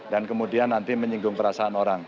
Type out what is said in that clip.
dan kemudian nanti menyinggung perasaan orang